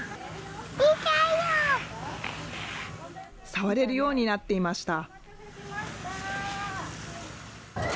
触れるようになっていました。